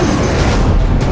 yang aku minat